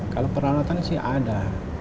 kalau peralatan sih ada